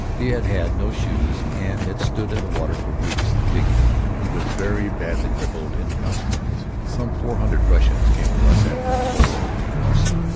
He had had no shoes and had stood in the water for weeks, digging. He was very badly crippled in consequence. Some four hundred Russians came to us after the fall of Warsaw.